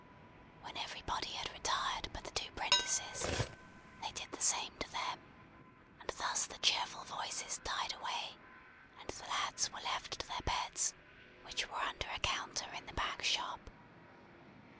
When everybody had retired but the two 'prentices, they did the same to them; and thus the cheerful voices died away, and the lads were left to their beds; which were under a counter in the back shop.